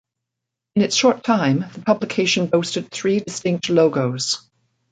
In its short time, the publication boasted three distinct logos.